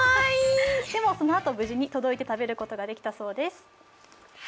でも、そのあと、無事に届いて食べることが出来たそうです。